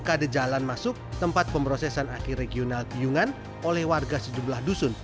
karena belum ada jalan masuk tempat pemrosesan aki regional piungan oleh warga sejumlah dusun